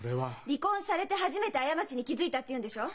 離婚されて初めて過ちに気付いたって言うんでしょ？